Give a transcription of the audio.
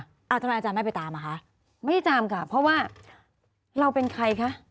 เอาทำไมอาจารย์ไม่ไปตามอ่ะคะไม่ได้ตามค่ะเพราะว่าเราเป็นใครคะ